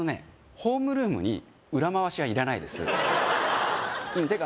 ホームルームに裏回しはいらないですていうか